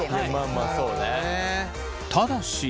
ただし。